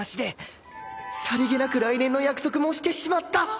さりげなく来年の約束もしてしまった！